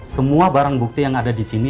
semua barang bukti yang ada di sini